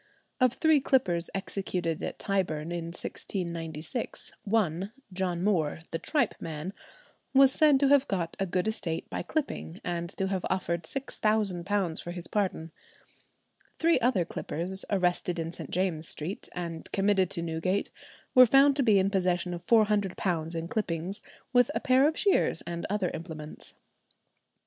Of three clippers executed at Tyburn in 1696, one, John Moore, "the tripe man," was said to have got a good estate by clipping, and to have offered £6,000 for his pardon. Three other clippers arrested in St. James's St., and committed to Newgate, were found to be in possession of £400 in clippings, with a pair of shears and other implements.